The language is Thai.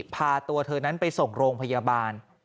พาตัวเธอนั้นไปส่งโรงพยาบาล